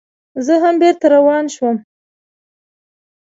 زه هم بېرته روان شوم.